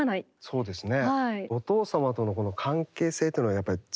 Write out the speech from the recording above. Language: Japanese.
そうですよね。